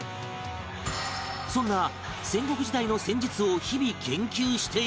そんな戦国時代の戦術を日々研究しているのが